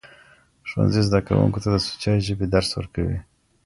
ښوونځي زدهکوونکو ته د سوچه ژبې درس ورکوي.